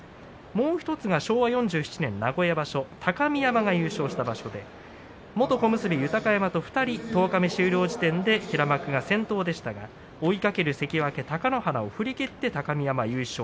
もう１つは昭和４７年名古屋場所高見山が優勝した場所で元小結豊山と２人十日目終了時点で平幕が先頭でしたが追いかける関脇貴乃花を振り切って高見山優勝。